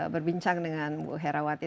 berbincang dengan bu hera watih